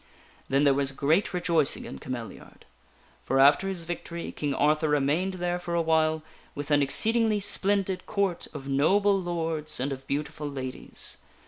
Then there was great rejoicing in Cameliard. For, after his victory, King Arthur remained there for awhile with an exceedingly splendid Court of noble lords and of beautiful ladies.